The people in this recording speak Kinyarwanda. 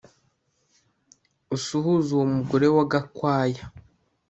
Usuhuze uwo mugore wa Gakwaya